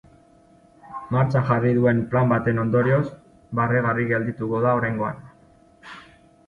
Martxan jarri duen plan baten ondorioz, barregarri geldituko da oraingoan.